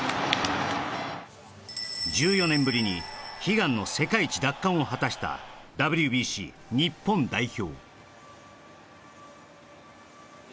１４年ぶりに悲願の世界一奪還を果たしたＷＢＣ日本代表